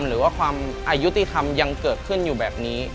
หรือว่าความอายุติธรรมยังเกิดขึ้นอยู่แบบนี้